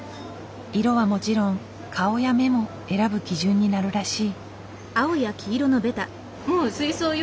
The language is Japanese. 色はもちろん顔や目も選ぶ基準になるらしい。